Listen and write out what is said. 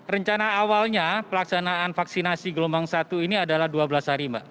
rencana awalnya pelaksanaan vaksinasi gelombang satu ini adalah dua belas hari mbak